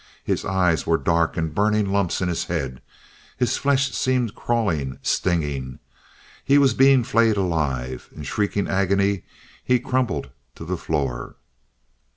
His eyes were dark and burning lumps in his head, his flesh seemed crawling, stinging he was being flayed alive in shrieking agony he crumpled to the floor.